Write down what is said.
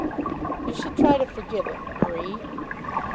"You should try to forgive him, Marie."